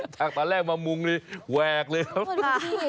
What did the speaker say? จากตอนแรกมามุงนี่แหวกเลยครับ